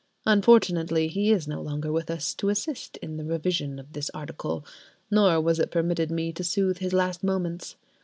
Unfortunately he is no longer with us, to assist in the revision of this article: nor was it permitted me to soothe his last moments.